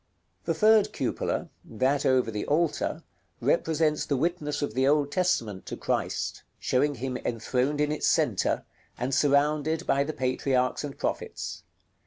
§ LXX. The third cupola, that over the altar, represents the witness of the Old Testament to Christ; showing him enthroned in its centre, and surrounded by the patriarchs and prophets.